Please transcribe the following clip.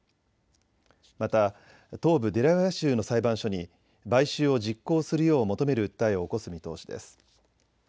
また東部デラウェア州の裁判所に買収を実行するよう求める訴えを起こす見通しです。